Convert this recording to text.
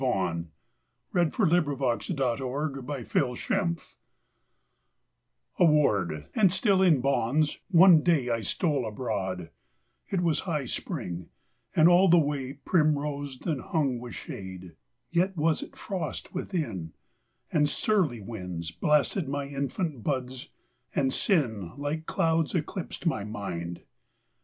Part I 21 Regeneration ^ Jl^ A ward, and slill in bonds, one day 1 stole abroad ; It was high Spring, and all the way Primrosed, and hung with shade; Yet was it frost within ; And surly winds Blasted my infant buds, and sin Like clouds eclipsed my mind.